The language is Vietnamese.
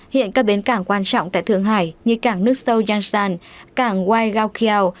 hiện các bến cảng quan trọng tại thượng hải như cảng nước sâu yangshan cảng wai gaokiao